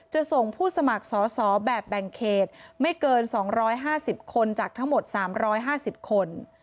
จะส่งผู้สมัครสอสอแบบแบ่งเขตไม่เกิน๒๕๐คนจากทั้งหมด๓๕๐คน